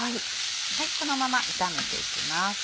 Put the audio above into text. このまま炒めていきます。